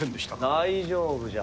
大丈夫じゃ。